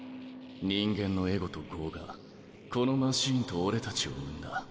人間のエゴと業がこのマシンと俺たちを生んだ。